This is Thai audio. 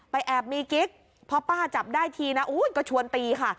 ไปแอบมีกิ๊กเพราะป้าจับได้ทีนะอู้ยก็ชวนตีค่ะ